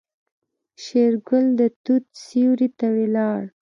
شېرګل د توت سيوري ته ولاړ.